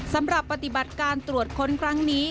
สำหรับปฏิบัติการตรวจค้นครั้งนี้